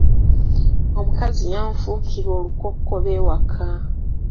Omukazi yanfuukira olukokobe ewaka.